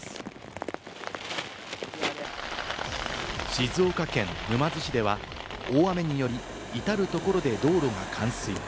静岡県沼津市では大雨により、至るところで道路が冠水。